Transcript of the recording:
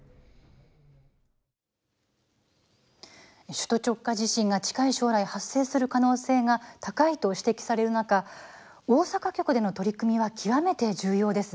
首都直下地震が近い将来発生する可能性が高いと指摘される中、大阪局での取り組みは極めて重要ですね。